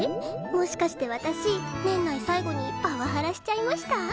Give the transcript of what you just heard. もしかして私年内最後にパワハラしちゃいました？